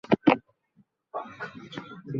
কোনো কাজের না মানে?